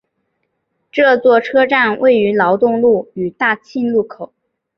这座车站位于劳动路与大庆路口。